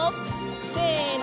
せの！